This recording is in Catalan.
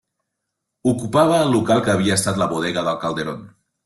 Ocupava el local que havia estat la Bodega del Calderón.